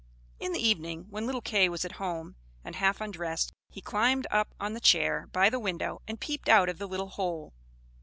In the evening, when little Kay was at home, and half undressed, he climbed up on the chair by the window, and peeped out of the little hole.